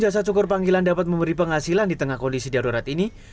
jasa syukur panggilan dapat memberi penghasilan di tengah kondisi darurat ini